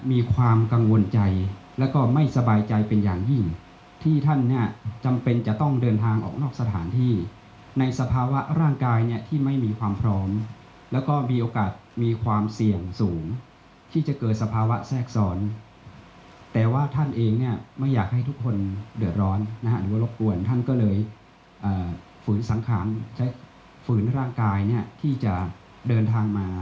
มีสังขารใช้ฝืนร่างกายที่จะเดินทางมา